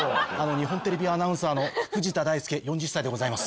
日本テレビアナウンサーの藤田大介４０歳でございます。